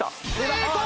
成功！